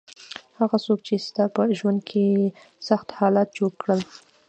هغه څوک چې تاسو په ژوند کې یې سخت حالات جوړ کړل.